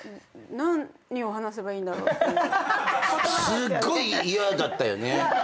すっごい嫌だったよね。